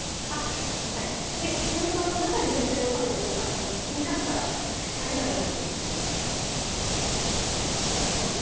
フライパンの中に絶対収めてください引火したら大変なことなるんでそうです